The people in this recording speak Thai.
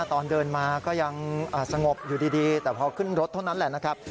ตอนเดินมาก็ยังสงบอยู่ดีแต่พอขึ้นรถเท่านั้นแหละนะครับ